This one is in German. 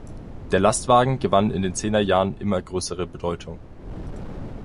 Der Lastwagen gewann in den Zehner-Jahren immer größere Bedeutung.